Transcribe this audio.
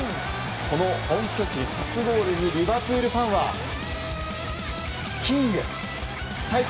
本拠地での初ゴールにリバプールファンはキング、最高！